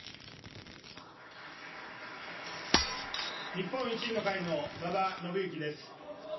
日本維新の会の馬場伸幸です。